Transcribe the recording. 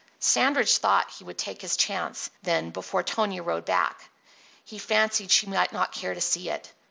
Sandridge thought he would take his chance then before Tonia rode back. He fancied she might not care to see it.